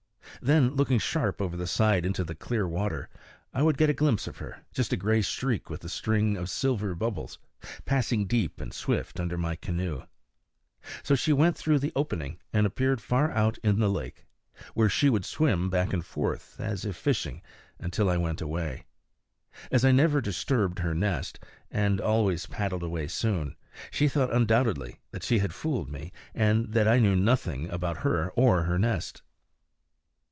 Then, looking sharp over the side into the clear water, I would get a glimpse of her, just a gray streak with a string of silver bubbles, passing deep and swift under my canoe. So she went through the opening, and appeared far out in the lake, where she would swim back and forth, as if fishing, until I went away. As I never disturbed her nest, and always paddled away soon, she thought undoubtedly that she had fooled me, and that I knew nothing about her or her nest.